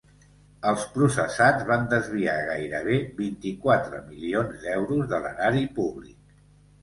Els processats van desviar gairebé vint-i-quatre milions d’euros de l’erari públic.